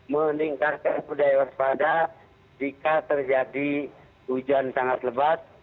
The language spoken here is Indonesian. meningkatkan budaya waspada jika terjadi hujan sangat lebat